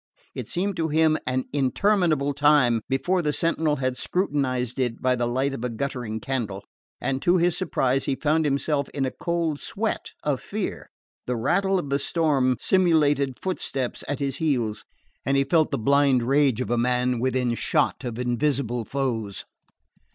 It seemed to him an interminable time before the sentinel had scrutinised it by the light of a guttering candle, and to his surprise he found himself in a cold sweat of fear. The rattle of the storm simulated footsteps at his heels and he felt the blind rage of a man within shot of invisible foes.